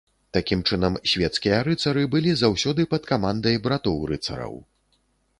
Такім чынам, свецкія рыцары былі заўсёды пад камандай братоў-рыцараў.